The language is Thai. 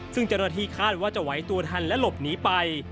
ซึ่งเจ้าหน้าที่คาดว่าจะไหวตัวทันและหลบหนีไป